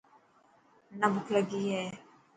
منا بک لگي هي.